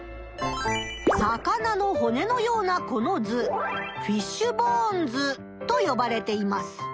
さかなのほねのようなこの図フィッシュ・ボーン図とよばれています。